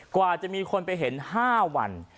กว่าจะมีคนไปเห็น๕วัน